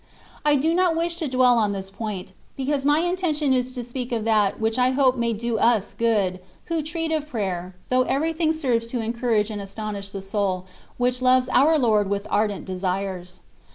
I do not wish to dwell on this CONCEPTIONS OF DIVINE LOVE. 231 point, because my intention is to speak of that which I hope may do us good, who treat of prayer (though everything serves to encourage and astonish the soul, which loves our Lord with ardent desires).